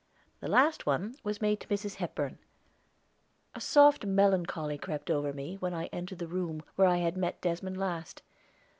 The last one was made to Mrs. Hepburn. A soft melancholy crept over me when I entered the room where I had met Desmond last.